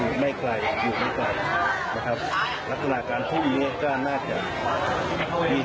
ลูกสาวและลูกเขยมาสักปันครับนะครับ